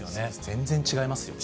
全然違いますよね。